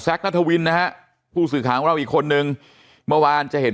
นัทวินนะฮะผู้สื่อข่าวของเราอีกคนนึงเมื่อวานจะเห็น